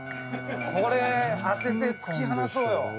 これ当てて突き放そうよ。